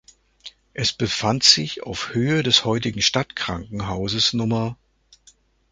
Es befand sich auf Höhe des heutigen Stadtkrankenhauses Nr.